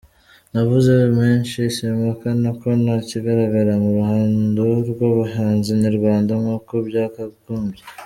Ntavuze menshi, simpakana ko ntakigaragara mu ruhando rw’abahanzi nyarwanda nk’uko byakagombye.